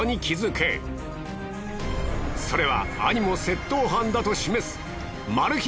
それは兄も窃盗犯だと示すマル秘